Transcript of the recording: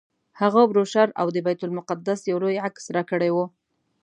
هغه بروشر او د بیت المقدس یو لوی عکس راکړی و.